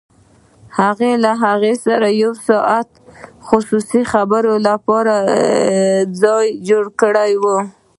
هغه له هغه سره د يو ساعته خصوصي خبرو لپاره ځای جوړ کړی و.